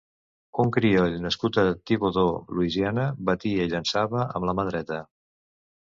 Un crioll nascut a Thibodaux, Louisiana, batia y llençava amb la mà dreta.